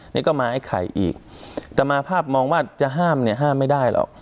นี่ก็มาไอ้ไข่อีกแต่มาภาพมองว่าจะห้ามเนี่ยห้ามไม่ได้หรอก